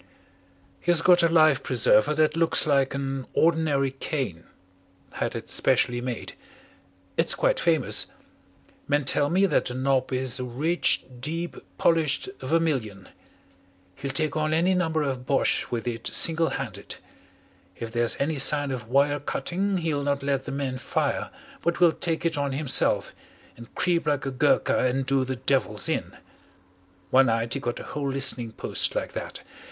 "He has got a life preserver that looks like an ordinary cane had it specially made. It's quite famous. Men tell me that the knob is a rich, deep, polished vermilion. He'll take on any number of Boches with it single handed. If there's any sign of wire cutting, he'll not let the men fire, but will take it on himself, and creep like a Gurkha and do the devils in. One night he got a whole listening post like that.